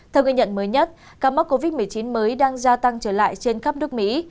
theo ghi nhận mới nhất ca mắc covid một mươi chín mới đang gia tăng trở lại trên khắp nước mỹ